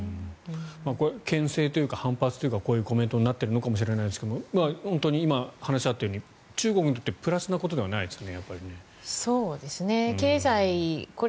けん制というか反発というかでこういうコメントになっているのかもしれませんが本当に今お話があったように中国にとってプラスなことではないですよね？